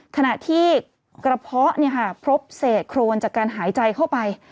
ขณะที่กระเพาะพบเศษโครนจากการหายใจเข้าไป